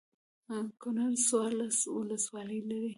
کنړ څوارلس ولسوالۍ لري.